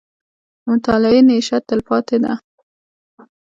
• د مطالعې نیشه، تلپاتې ده.